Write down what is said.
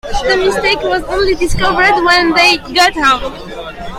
The mistake was only discovered when they got home.